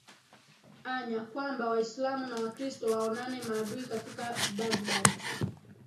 anya kwamba waislamu na wakristo waonane maadui katika baghdad